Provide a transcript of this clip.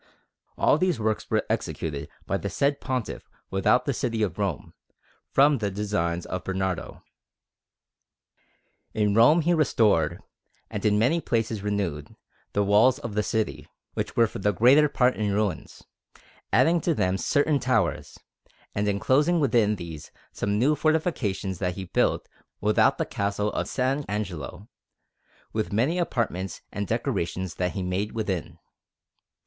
All these works were executed by the said Pontiff without the city of Rome, from the designs of Bernardo. In Rome he restored, and in many places renewed, the walls of the city, which were for the greater part in ruins; adding to them certain towers, and enclosing within these some new fortifications that he built without the Castle of S. Angelo, with many apartments and decorations that he made within.